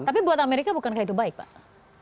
tapi buat amerika bukankah itu baik pak